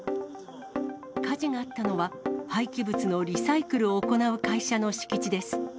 火事があったのは、廃棄物のリサイクルを行う会社の敷地です。